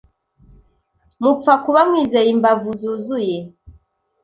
mupfa kuba mwizeye imbavu zuzuye